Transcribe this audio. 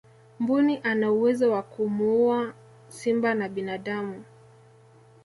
mbuni ana uwezo wa kumuua simba na binadamu